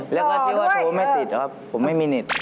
แล้วก็ที่ว่าโชว์ไม่ติดครับผมไม่มีเน็ต